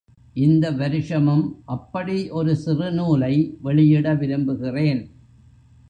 இந்த வருஷமும் அப்படி ஒரு சிறு நூலை வெளியிட விரும்புகிறேன்.